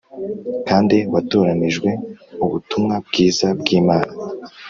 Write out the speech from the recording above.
kandi watoranirijwe ubutumwa bwiza bw’Imana